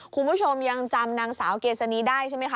คุณผู้ชมยังจำนางสาวเกษณีได้ใช่ไหมคะ